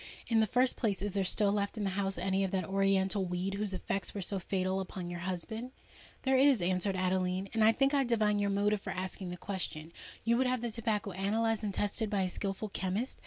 "In the first place, is there still left in the house any of that oriental weed whose effects were so fatal upon your husband?" "There is," answered Adeline; "and I think I divine your motive for asking the question. You would have the tobacco analysed and tested by a skilful chemist?